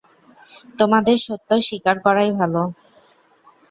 তোমাদের সত্য স্বীকার করাই ভালো।